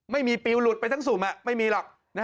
ปิวหลุดไปทั้งสุ่มไม่มีหรอก